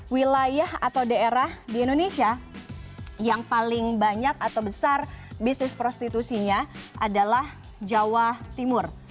wilayah atau daerah di indonesia yang paling banyak atau besar bisnis prostitusinya adalah jawa timur